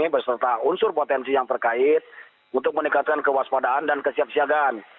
berserta unsur potensi yang terkait untuk meningkatkan kewaspadaan dan kesiap siagan